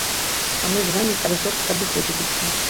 Чаму з вамі так жорстка абыходзіліся?